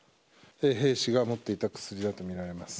兵士が持っていた薬だとみられます。